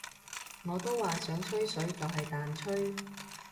我都話想吹水就是但吹